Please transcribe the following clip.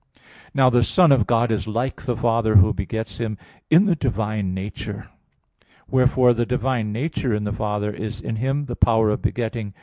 Now the Son of God is like the Father, who begets Him, in the divine nature. Wherefore the divine nature in the Father is in Him the power of begetting.